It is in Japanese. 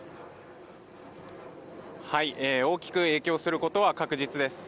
大きく影響することは確実です。